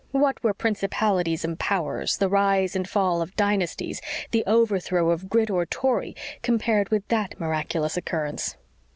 What were principalities and powers, the rise and fall of dynasties, the overthrow of Grit or Tory, compared with that miraculous occurrence?